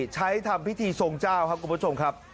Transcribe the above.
ทำพิธีทรงเจ้าครับคุณผู้ชมครับ